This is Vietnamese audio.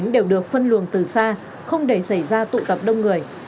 đều được phân luồng từ xa không để xảy ra tụ tập đông người